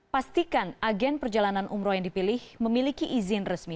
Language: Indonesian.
pastikan agen perjalanan umroh yang dipilih memiliki izin resmi